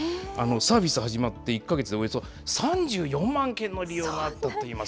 サービス始まって１か月でおよそ３４万件の利用があったっていい